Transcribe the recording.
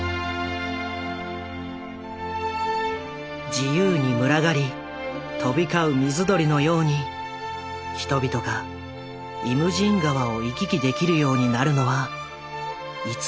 「自由にむらがり飛びかう水鳥」のように人々が「イムジン河」を行き来できるようになるのはいつの日なのか。